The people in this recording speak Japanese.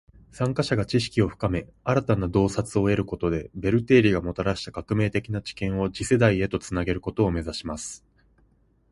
参加者が知識を深め，新たな洞察を得ることで，ベル定理がもたらした革命的な知見を次世代へと繋げることを目指します．